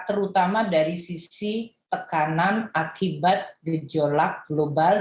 terutama dari sisi tekanan akibat gejolak global